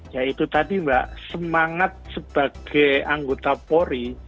ya itu tadi mbak semangat sebagai anggota polri